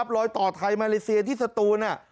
รอยต่อไทยมาเลเซียที่สตูน